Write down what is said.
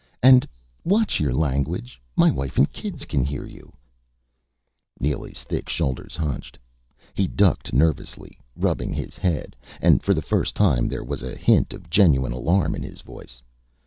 "And watch your language my wife and kids can hear you " Neely's thick shoulders hunched. He ducked nervously, rubbing his head and for the first time there was a hint of genuine alarm in his voice.